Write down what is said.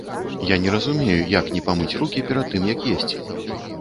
Я не разумею, як не памыць рукі перад тым як есці.